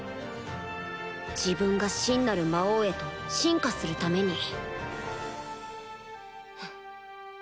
自分が真なる魔王へと進化するためにフゥ。